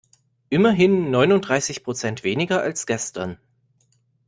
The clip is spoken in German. Immerhin neununddreißig Prozent weniger als gestern.